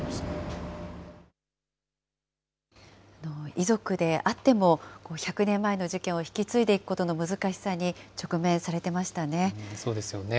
遺族であっても、１００年前の事件を引き継いでいくことの難しさに直面されてましそうですよね。